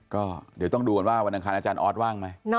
ก็เดี๋ยวต้องดูกันว่าวันอังคารอาจารย์ออสว่างไหม